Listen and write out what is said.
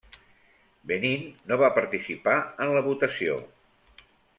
Benín no va participar en la votació.